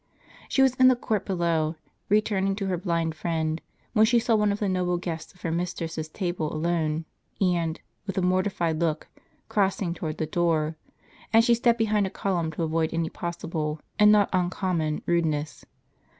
She was in the court below, returning to her blind friend, when she saw one of the noble guests of her mistress's table alone, and, with a mortified look, crossing towards the door, and she stepped behind a column to avoid any possible, and not un common, rudeness.